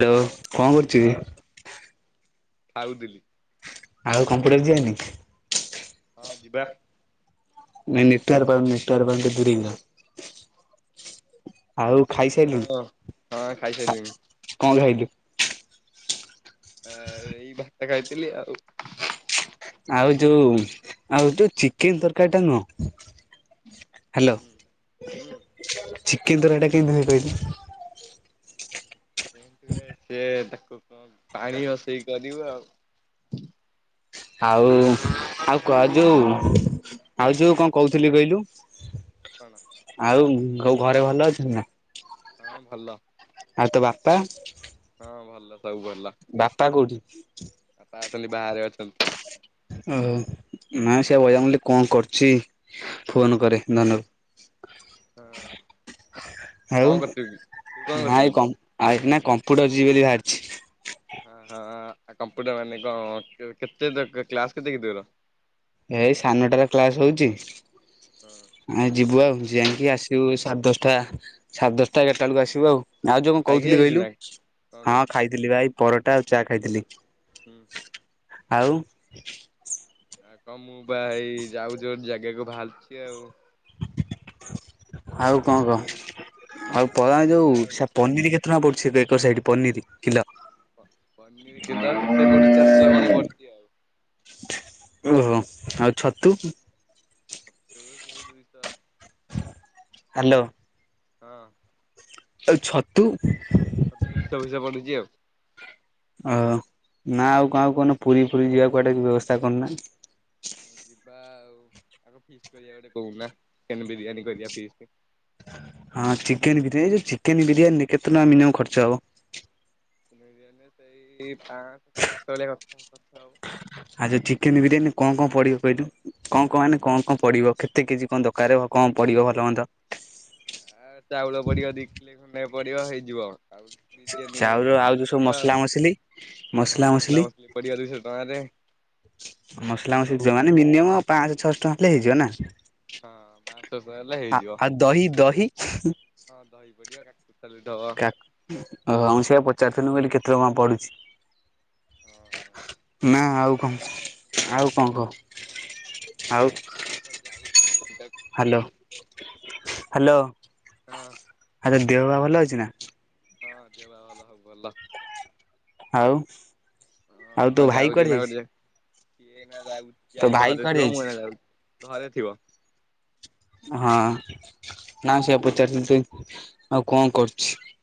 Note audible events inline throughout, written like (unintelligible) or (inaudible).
ହଁ ହାଲୋ କଣ କରୁଛି। ହଁ ଖାଉଥିଲି। ଆଉ କମ୍ପ୍ୟୁଟର ଯିବାନି ହଁ ଯିବା। (inaudible) ଆଉ ଖାଇସାରିଲୁଣି ହଁ ହଁ କଣ ଖାଇସାରିଲିଣି ଖାଇଲୁ। ଆଁ ଏଇ ଭାତ ଖାଇଥିଲି ଆଉ। ଆଉ ଯୋଉ ଆଉ ଯୋଉ ଚିକେନ ତରକାରୀ ଟା ନୁହ। ହୁଁ ହୁଁ ଚିକେନ ତରକାରୀ ଟା କେନ୍ତି ହୁଏ କହିଲୁ। ଯେମତି ଭାଇ ସିଏ କଣ ପାଣି (inaudible) କରିବୁ ଆଉ। ଆଉ ଆଉ କ ଯୋଉ ଆଉ ଯୋଉ କଣ କହୁଥିଲି କହିଲୁ। କଣ? ଆଉ'ସବୁ ଘରେ ଭଲ ଅଛନ୍ତି, ନା? ହଁ, ଭଲ ୲ ଆଉ, ତୋ ବାପା। ହଁ, ଭଲ। ସବୁ ବାପା କୋଉଠି? ହଁ। ଆଉ' ଖାଲି ବାହାରେ, ଅଛନ୍ତି। ନାଇ ସେ ବୋଲିଆ ୲କଣ, କରୁଛି? ଫୋନ କରେ, ଧନକୁ ୲ ହଁ କଣ ଆଉ' କରୁଛୁ କି ତୁ କଣ କରୁଥିଲୁ ନାଇ କି କମ୍ପୁ- କମ୍ପୁଟର ଯିବି ବୋଲି ବାହା ଆ କମ୍ପ୍ୟୁଟର ମାନେ କଣ? କେତେ, କ୍ଲାସ କେତେ କି ତୋର? ଏଇ ସାନଟାର କ୍ଲାସ, ହଉଛି ହଁ ୲ଆ'ଯିବୁ ଆଉ, ଯାଇକି ଆସିବୁ ୲ ସାଢ଼େ ଦଶଟା, ସାଢ଼େ ଦଶଟା, ଏଗାର ଟା ବେଳକୁ ଆସିବୁ, ଆଉ। ଆଉ' ଯୋଉ କଣ, ଖାଇକି କହୁଥିଲି ଯାଇଛୁ ନା କହିଲୁ? କଣ ହଁ କହୁଛୁ ଖାଇଥିଲି ବା ଏଇ ୲ ପରଟା ଆଉ' ଚା ଖାଇଥିଲି। ହୁଁ। ଆଉ ହଁ, ମୁଁ ବା ହେଇ, ଯାଉଛି ୲ଗୋଟେ ଜାଗାକୁ, ବାହାରୁଛି 'ଆଉ ଆଉ' କଣ, ଯିବି କହ? ବୋଲି ଆଉ' ପଳାମୀ ସେଇଆ ଯୋଉ, ସେ ଆଉ ପନିର କେତେ ଣା ପୁଛି ଏକ ସାଇ ପନିର କିଲୋ। ପନିର କିଲୋ କେତେ, ପଡୁଛି? ଚାରିଶହ କଣ, ପଡୁଛି ଆଉ, ଓହୋ, ଆଉ' ଛତୁ? ଛତୁ, ସେଇ ଦୁଇଶ ହାଲୋ। ହଁ। ଆଉ' ଛତୁ। ଛତୁ, ଦୁଇଶହ ପଇସା, ପଡୁଛି ଆଉ'। ଓ, ନା ଆଉ' କହୁନ ପୁରୀ, ଫୁୁରୀ ଯିବା ୲କୁଆଡ଼େ ବ୍ୟବସ୍ଥା, କରୁନା। ଯିବା ଆଉ' ଆଗ ଫିଷ୍ଟ, କରିବା ୲ ଗୋଟେ, କହୁନା। ଚିକେନ, ବିରିୟାନି, କରିିବା ଫିଷ୍ଟ। ହଁ ଚିକେନ ବିରିୟାନୀ ଯୋଉ ଚିକେନ ବିରିୟାନୀରେ, କେତେ ଟଙ୍କା, ମିନିମମ୍ ଖର୍ଚ୍ଚ ହବ? ସେଇ' ପାଞ୍ଚ, ଛଅଶହ ଲେଖା ଖର୍ଚ ହବ, ଆଉ'। ଆଉ' ଯେ ଚିକେନ ବିରିୟାନୀ ୲ କଣ, କଣ ପଡିବ କହିଲୁ? କଣ, କଣ ମାନେ ୲କଣ, କଣ ପଡିବ? କେତେ, କେଜି? କଣ, ଦରକାର ହବ? କଣ, ପଡିବ ଭଲ, ମନ୍ଦ? ଆ' ଚାଉଳ ପଡିବ ୲ ଦି କିଲେ ଖଣ୍ଡେ ପଡିବ, ହେଇଯିବ। ଆଉ ବିରିୟାନୀ ଚାଉର, ଆଉ' ଚିକେନ ଯୋଉ ସବୁ ପଡିବ ଆଉ। ମସଲା, ମସଲି ହଁ ୲ମସଲା, ମସଲା ମସଲି୲ ପଡିବ ଦୁଇଶହ ଟଙ୍କାରେ ମସଲା, ମସଲି ସବୁ ୲ଯିବ ହଁ ମାନେ, ମିନିମମ ପାଞ୍ଚଶହ, ଛାଅସହ ଟଙ୍କା ହେଲେ ହେଇଯିବ ନା। ହଁ, ପାନ୍ସ ଉପରେ ହେଲେ, ଆ ହେଇଯିବ ଆଉ ଦହି ଦହି ୲ହଁ ଦହି ପଡିବ କା କା--ଓହୋ ମୁଁ, ସେୟା ପଚାରୁଥିଲି, ବୋଲି କେ ଟଙ୍କା ହଁ। ପଡ଼ୁଛି। ନା ଆଉ। କଣ ଆଉ କଣ କହ। ଆଉ ଆାଉ କୁଆଡ଼େ ଯାଉଛି ଗୋଟେ ଜାଗା କୁ। Hello hello. ହଁ। ଆଉ ଦେହ ବାହା ଭଲ ଅଛି ନା। ହଁ ଦେହ ପା ଭଲ ସବୁ ଭଲ। ଆଉ। ଆଉ ତୋ ହଁ ଭାଇ ଯାଉଛି କୁଆଡେ ନା ଗୋଟେ ଯାଇଛି? ଜା ସିଏ ଏଇନା ତୋ ଯାଉ ଭାଇ ଘରେ କୁଆଡେ ଥିବ ଯାଇଛି? ମୁଁ ଏଇନା ଯାଉ ଘରେ ଥିବ। ହଁ ନା ସେଆ ପଚାରୁଛନ୍ତି ତୁ ଆଉ କଣ କରୁଛୁ।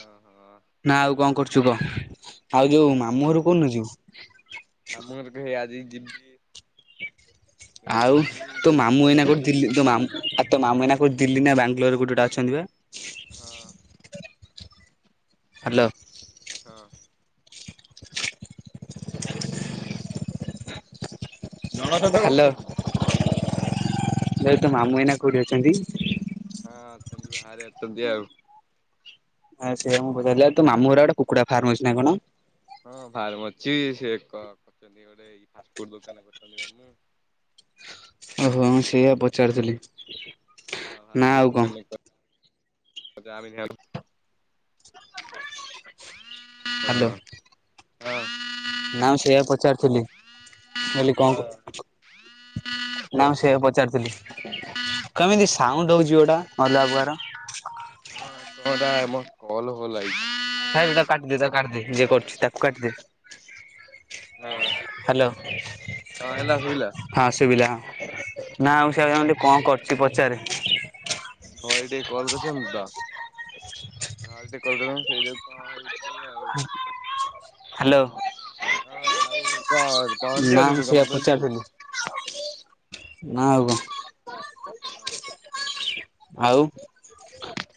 ହଁ। ହଁ ତୁ କହ। ଆଉ ଯୋଉ ନା ମ ମାମୁଁ ଘରୁ କହୁନ ଯିବୁ। ଆମ ଘର କେହି ଆଜି ଯିବି। ଏଇନା ଆଉ ଯିବି ତୋ ଯଦି ମାମୁଁ ଜଣେ ଏଇନା ଘରକୁ ହଁ କଉଠି ଦିଲ୍ଲୀ ତୋ ମାମୁ ଆଉ ତୋ ମାମୁ ଏଇନା। କୋ ଦିଲ୍ଲୀ ନା ବାଙ୍ଗଲୋର କଉଠୀ ଗୋଟେ ଅଛନ୍ତି ବା। ହଁ। (inaudible) ହାଲୋ। ହଁ ହାଲୋ। ହଁ। ଭାଇ ତ ମାମୁଁ ଏଇନା କୋଉଠି ଅଛନ୍ତି? ହଁ ଅଛନ୍ତି ବାହାରେ ଅଛନ୍ତି ଆଉ। ସେ ମୁଁ ବୁଝାରି ତ ମୁଁ ର ଗୋଟେ କୁକୁଡା ଫାର୍ମ ଅଛିାଇଁ କଣ? ହଁ ଭାରମ ଅଛି ସେ କରିଛନ୍ତି ଗୋଟେଇ ଫାସ ଫୁଟ ଦୋକାନ କରଛନ୍ତି ମାମୁ ଓହୋ ମୁଁ ସେଇଆ ପଚାରୁିଥିଲି? ନା ଆଉ କଣ? ଗାଆଁ (inaudible) ନାଁ ସେଇଆା ପଚାରିଥିଲି। ବୋଲି କଣ ହଉ କ ନା ସେ ପ ଚାରଥିଲି କେମିତି ସାଉଣ୍ଡ ହଉଛି ଗୋଟା ଅ ଲଗା ପ୍ରକାର। ହଲାଇ। ଖାଇ ତା କାଟିଦି ତା କାଟିଦି ଯିଏ କରୁଚଛି ତାକୁ କାଟିଦି। ହଁ। ହ୍ୟାଲୋ। ହଁ ହେଲା ଶୁଭିଲା (inaudible) ହଁ ସୁବିଲା ନା ଆଉ ସେ ହୁଁ କଣ କର ସେ ପଚାରେ। ଘରେ ଟିକେ କଲ୍ କରିଛନ୍ତି ତ ଘରେ ଟିକେ କଲ୍ କରିଛନ୍ତି ସେଇ ଯାଉ କଣ ହଉଛି ଆଉ ହ୍ୟାଲୋ। ହଁ ଆଉ କଣ ନା ମୁଁ ପହଞ୍ଚିଗଲୁଣୁ ସେଆ କମ୍ପ୍ୟୁଟର ଯିବୁ ପଚାରୁଥିଲି ନା ହୁଁ ଆଉ ହୁଁ କଣ? ହ ହଁ ଆଉ?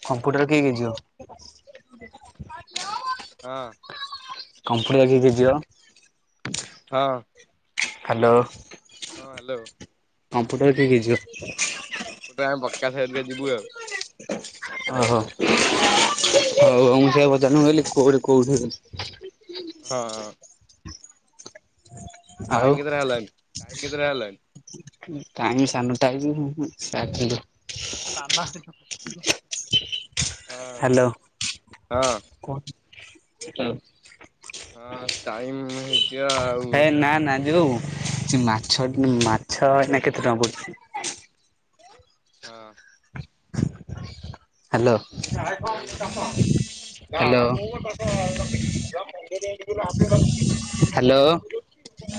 କମ୍ପ୍ୟୁଟର କିଏ କିଏ ଯିବ? ହ ହଁ। କମ୍ପ୍ୟୁଟର୍ କିଏ କିଏ ଯିବ? ହଁ। ହ୍ୟାଲୋ। ହଁ ହ୍ୟାଲୋ। କମ୍ପ୍ୟୁଟର କିଏ କିଏ ଯିବ? କମ୍ପ୍ୟୁଟର ଆମେ ପକ୍କା ସାରିକା ଯିବୁ ଆଉ। ଓହ ହଉ ହଉ ମୁଁ ସେୟା ପ (unintelligible) ମୁଁ କହିଲି କୋଉଠି କୋଉଠି? ହଁ। ଆଉ ଟାଇମ୍ କେତେଟା ହେଲାଣି ଟାଇମ୍ କେତେଟା ହେଲାଣି? ଟାଇମ ଶାଡେ ନଅ ଟା ହେଇଥିବ ସାଢେ ମାମା ହ୍ୟାଲୋ କୋଉ ହ ହଁ ଟାଇମ ହେଇଯିବ ଆଉ ହେ ନା ନା କ୍ଲା ଯୋଉ ମାଛ ମାଛ ଏନା କେତେ ଟଙ୍କା ପଡୁଛି? ହଁ। ହ୍ୟାଲୋ। ହୁଁ (inaudible) କାମ ହ୍ୟାଲୋ। ହୁଁ। (unintelligible) ହ୍ୟାଲୋ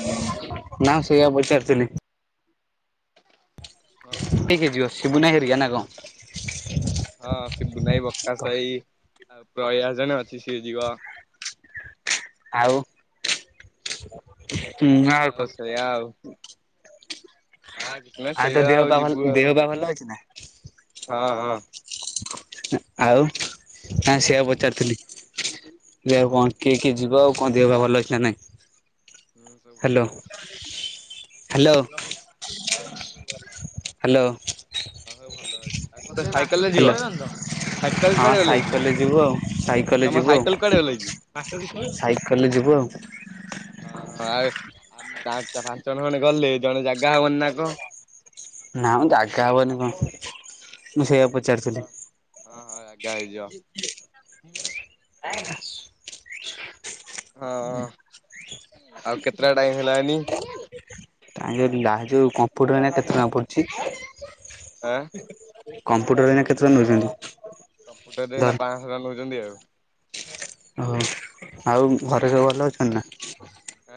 ହଁ ନା ସେୟା ପଚା ଥିଲି। କିଏ ହଁ କିଏ ଯିବ ସିବୁନା ଭାଇ ହେରିକା ନା ବଲ ହଁ ଶିବ ବୁନାଇ ବକାସ ଭାଇ। ଆଉ ପ୍ରୟାଜନ ଅଛି ସଏ ଯିବ। ଆଉ। ହୁଁ ଆଉ ହଁ କଁ? ସେଇଆ ଆଉ ନା କିଛି ନାହିଁ ଆଉ ତୋ ସେଇଆ ଦେହ ପାଲ ଯିବୁ ଆଉ ଦେହ ପା ଭଲ ଅଛି ନା? ଅ ହଁ ହ। ହଁ। ଆଉ ହଁ ସେଇଆ ପଚାରୁଥିଲି। (unintelligible) ହୁଁ ଆଉ ହୁଁ କଣ କିଏ କିଏ ଯିବା ଆଉ କଁ ଦିହ ବା ଭଲ ଅଛି ନା ନାଇଁ? ହୁଁ ସବୁ ହ୍ୟାଲୋ ଭଲ ଅଛି। ହ୍ୟାଲୋ ହ୍ୟାଲୋ ସାଇକେଲରେ ହ୍ୟାଲୋ ଯିବ ସାଇକେଲ ହଁ ସଜାଡିବା ସାଇକେଲରେ ଲାଗି? ଯିବୁ ଆଉ ସାଇକେଲରେ ତମ ଯିବୁ ଆଉ ସାଇକଲ କୁଆଡେ ଗଲା କି? (unintelligible) (unintelligible) ସାଇକେଲରେ ଯିବୁ ଆଉ। ପାଞ୍ଚ ଜଣ ଖଣ୍ଡେ ଗଲେ ଜଣେ ଯାଗା ନାମ ଜାଗା ହବନି କଣ। ମୁଁ ସେୟା ପ ହଁ ହଁ ହଁ ଜାଗା ହେଇଯିବ। ହଁ। ଆଉ କେତେଟା ଟାଇମ ହେଲାନି? ତା ଲାହା ଯଉ କମ୍ପ୍ୟୁଟର ଏଇନା କେତେ ଟଙ୍କା ପଡୁଛି। ଆଁ (unintelligible) କମ୍ପ୍ୟୁଟର ଏଇନା କେତେଟଙ୍କା ନଉଛନ୍ତି? କମ୍ପ୍ୟୁଟର ଦେଇ ନା ପାଞ୍ଚଶହ ଟଙ୍କା ନେଉଛନ୍ତି ଆଉ ଓ ଆଉ ଘରେ ସବୁ ଭଲ ଅଛନ୍ତି ନା?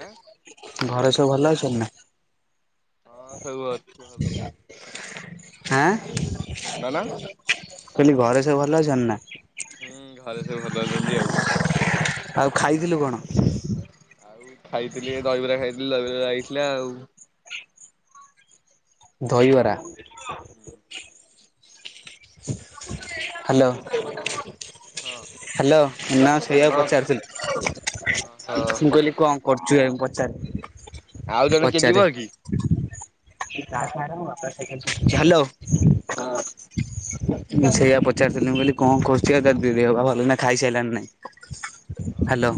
ଆଁ। ଘରେ ସବୁ ଭଲ ଅଛନ୍ତି ନା? ହଁ ସବୁ ଅଛୁ ଭଲ। ଆଁ। କଣ? କହିଲି ଘରେ ସବୁ ଭଲ ଅଛ ନା? ହୁଁ ଘରେ ସବୁ ଭଲ ଅଛନ୍ତି ଆଉ ଆଉ ଖାଇଥିଲୁ କଣ? ଖାଇଥିଲି ଦହିବରା ଖାଇଥିଲି ଦହିବରା ଆଇଥିଲା ଆଉ। ଦହିବରା। ହ୍ୟାଲୋ। ହଁ ହ୍ୟାଲୋ ମୁ ନା ସେୟାକୁ ପଚାରୁିଥିଲି ହଁ ମୁଁ କହିଲି କଣ କରୁଛୁ (unintelligible) ଆଉ ଜଣେ କିଏ ପଚାରେ ଯିବ କି। ହ୍ୟାଲୋ। ହଁ। ମୁଁ ସେଇଆ ପଚାରିଥିଲି ମୁ କଇଲି କଣ କରୁଛି ତା ଦିହ ପା ଭଲ ଅଛି ନା ଖାଇ ସାଇଲାଣି ନା ନାଇଁ। ହଁ। ହ୍ୟାଲୋ।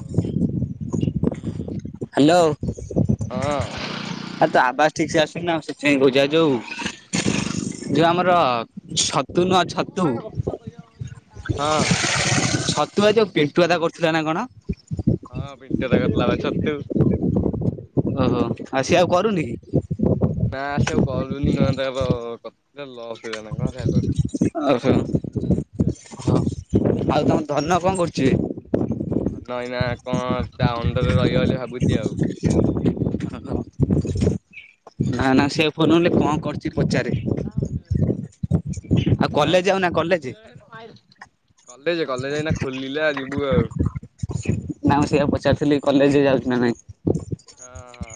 ହାଲୋ ହଁ। ଆ ତ ଆବାସ ଠିକ ସେ ଆସୁନି ନା ସେଥିପାଇଁ କହୁଛି ଆଉ ଯୋଉ ଯୋଉ ଆମର ସ ହଁ ହଁ ପିଣ୍ଟୁ ଦାଦା ଛତୁ ଆ ଯୋଉ ପିଣ୍ଟୁ ଦାଦା କରୁଥିଲା ନା କଣ କରୁଥିଲା ବା ଛତୁ। (unintelligible) ଓହୋ ଆଉ ସିଏ ଆଉ କରୁନି କି। ନା ସେ ଆଉ କରୁନି କଣ ତାଙ୍କର ଛତୁ ରେ ଲସ। ଆ ହୋ ହଉ। ଆଉ ତମ ଧନ କଣ କରୁଛିବେ। ନା କଣ ତା ଅଣ୍ଡରରେ ରହିବ ବୋଲି ଭାବୁଛି ଆଉ। ନା ନା ସେ ଆଉ ଫୋନଲ ରେ କଣ କରୁଛି। ପଚାରେ ଆଉ କଲେଜ ଯାଉନା ଆଁ କଲେଜ? କଲେଜ କଲେଜ ଏଇନା ଖୋଲିଲା ଯିବୁ ଆଉ। ନା ମୁଁ ସେଇଆ ପଚାରୁଥିଲି କଲେଜ ଯାଉଛି ନା ନାହିଁ। ହଁ ହଁ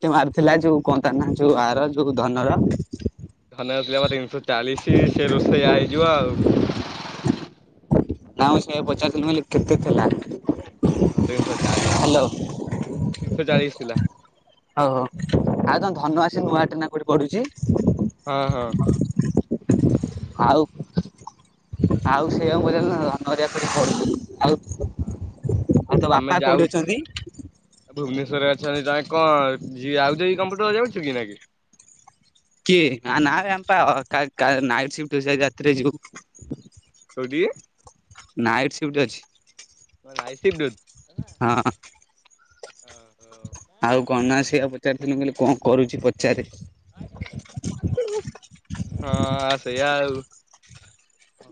ତତେ ମାରିଥିଲା ଯୋଉ କଣ ତା ନାଁ ଯୋଉ ଆର ଯୋଉ ଧନର। ଧନ ଦଉଥିଲା ମତେ ତିନିଶହ ଚାଳିଶ ସେ ରୋଷେଇଆ ହେଇଯିବ ଆଉ। ନା ମୁଁ ସେଇଆ ପଚାଥିଲି କେତେ ଥିଲା। ହଁ ତିନିଶହ ଚାଳିଶ ହ୍ୟାଲୋ ଥିଲା ହଉ ତିନିଶହ ଚାଳିଶ ଥିଲା ହଉ ଆଉ ତମ ଧନ ଆସିନି ନୂଆ। ଏଇନା କୋଉଠି ପଢୁଛି। ହଁ ହଁ। ଆଉ ଆଉ। ସେ ଆଉ ମଜା (unintelligible) ଆ ମ (unintelligible) ଆଉ ତୋ ତମେ ବାପା ଯାଉ କୋଉଠି ଅଛନ୍ତି। ଆଛନ୍ତି ଜଣେ କଣ ଯି ଆଉ ଯୋଉ କମ୍ପ୍ୟୁଟର ଯାଉଛ କି ଏଇନାକେ। କିଏ ନାଁ ନାଁ ବେ ଆମେ ପା କାଲ କା ନାଇଟ୍ ଶିଫ୍ଟ ଅଛି ଯାଜି ରା ତିରେ ଯିବୁ। କୋଉଠିକି ନାଇଟ୍ ସିଫ୍ଟ ଅଛି। ତମର ନାଇଟ ସଫ୍ଟ ଅଛି। ହଁ ହଁ। ଆଉ ଗନା ସେଇଆକୁ ପଚାରିଥିନି ମୁଁ କହିଲେ କଣ କରୁଚି ପଚାରେ। (inaudible) ହଁ ସେୟା ଆଉ।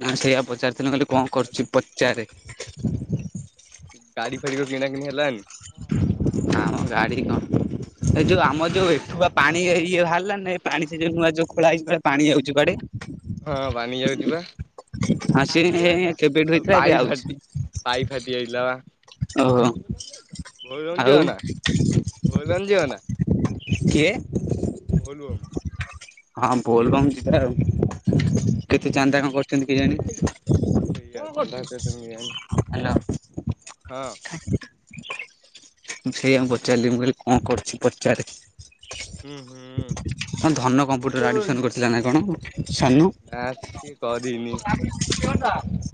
ନା ସେଇଆ ପଚାରୁଥିଲି କହିଲି କଣ ଆଉ କରୁଚି ପଚାରେ? ଗାଡି ଫାଡିି କିଣା କିଣି ହେଲାନି? ଆମ ଗାଡି କଣ ଏ ଯୋଉ ଆମ ଯୋଉ ଏଠୁଆ ପାଣି ଇଏ ବାହାରିଲା ନା ପାଣି ସେ ଯୋଉ ନୂଆ ଯୋଉ ଖୋଳା ହେଇଚି ପରା ପାଣି ଯାଉଚି କୁଆଡେ? ହଁ ପାଣିି ଯାଉଚି ଆଉ ପା ସେ କେବେଠୁ ହେଇଥିଲା ଏବେ ପାଇ ଆଉଛି। ଫାଟି ପାଇପ୍ ଫାଟି ଯାଇଥିଲା ବା। ଓହୋ ଭୋଲବମ୍ ଯିବ ନା ଆଉ ଭୋଲବମ୍ ଯିବ ନା କିଏ? ଭୋଲବମ୍ ହଁ ବୋଲବମ୍ ଯିବାଆଉ। ହୁଁ। କେତେ ଚାନ୍ଦା କଣ କରୁଚନ୍ତି କେଜାଣି? (unintelligible) ହେଲା। ହଁ। ମୁଁ ସେଇଆଙ୍କୁ ପଚାରିଲି ମୁଁ କହିଲି କଣ କରୁଚି ପଚାରେ? ହୁଁ ହୁଁ। ହଁ ଧନ କମ୍ପ୍ୟୁଟର ଆଡ଼ମିସନ୍ କରିଥିଲା ନାଁ କଣ? ସାନୁ ନା ସିଏ କରିନି। (unintelligible)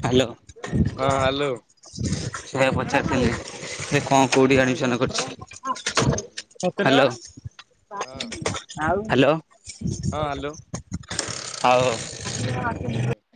ହ୍ୟାଲୋ ହଁ ହ୍ୟାଲୋ। ସେଇଆ ପଚାରୁଥିଲେ ସେ କଣ କୋଉଠି ହୁଁ ଆଡମିଶନ କରି ହୁଁ ହାଲୋ। ହଁ ଆଉ ହାଲୋ। ହଁ ହାଲୋ। ହୋଉ ହୋଉ। (inaudible)